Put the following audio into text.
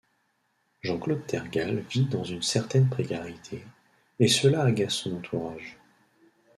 Jean-Claude Tergal vit dans une certaine précarité, et cela agace son entourage.